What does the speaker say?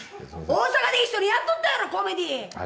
大阪で一緒にやっとっただろう、コメディー。